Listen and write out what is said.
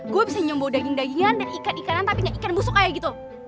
gue bisa nyemboh daging dagingan dan ikan ikanan tapi gak ikan busuk kayak gitu